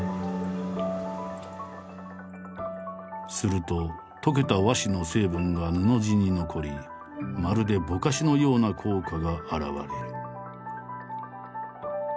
すると溶けた和紙の成分が布地に残りまるでぼかしのような効果が表れる。